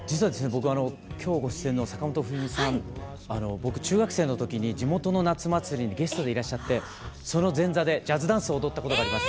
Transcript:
僕中学生の時に地元の夏祭りにゲストでいらっしゃってその前座でジャズダンスを踊ったことがあります。